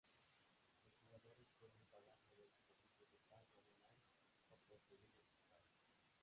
Los jugadores pueden pagar mediante servicios de pago online o por pedido postal.